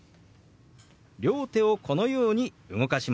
両手をこのように動かしますよ。